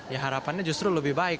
ya harapannya justru lebih baik